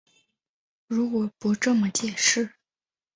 如果不这么解释